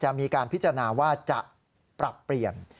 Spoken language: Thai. จะมีการพิจารณาว่าจะปรับเปลี่ยน